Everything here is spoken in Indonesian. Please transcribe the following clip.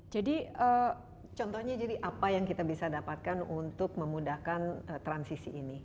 jadi contohnya jadi apa yang kita bisa dapatkan untuk memudahkan transisi ini